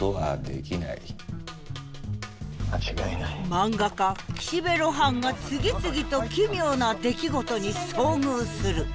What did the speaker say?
漫画家岸辺露伴が次々と「奇妙」な出来事に遭遇する。